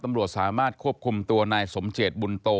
ตำรวจสามารถควบคุมตัวนายสมเจตบุญโต